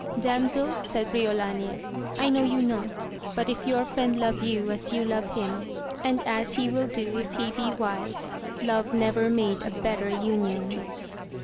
Damsel, said Briolania, I know you not ; but if your friend love you as you love him, and as he will do if he be wise, love never made a better union.